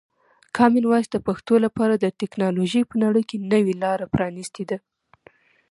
کامن وایس د پښتو لپاره د ټکنالوژۍ په نړۍ کې نوې لاره پرانیستې ده.